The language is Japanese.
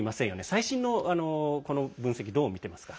最新の分析、どう見ていますか？